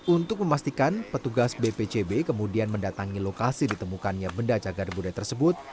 untuk memastikan petugas bpcb kemudian mendatangi lokasi ditemukannya benda cagar budaya tersebut